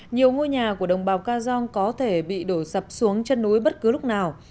nhiều ngôi nhà của đồng bào ca giong có thể bị đổ sập xuống chân núi bất cứ lúc nào